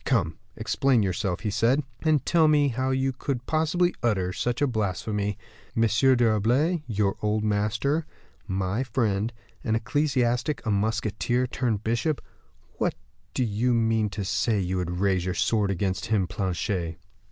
"Come, explain yourself," he said, "and tell me how you could possibly utter such a blasphemy. M. d'Herblay, your old master, my friend, an ecclesiastic, a musketeer turned bishop do you mean to say you would raise your sword against him, Planchet?"